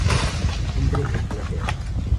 El vientre es plateado.